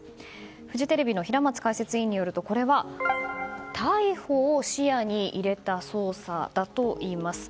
フジテレビの平松解説委員によると、これは逮捕を視野に入れた捜査だといいます。